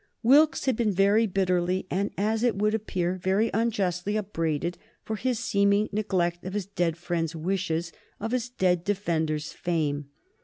Wilkes has been very bitterly and, as it would appear, very unjustly upbraided for his seeming neglect of his dead friend's wishes, of his dead defender's fame.